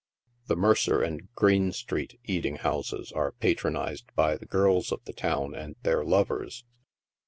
The Mercer and Greene street eating houses are patronized by the girls of the town and their lovers.